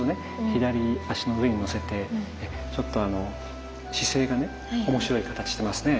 左足の上にのせてちょっと姿勢がね面白い形してますね。